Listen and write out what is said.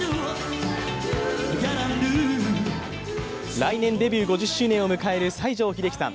来年、デビュー５０周年を迎える西城秀樹さん。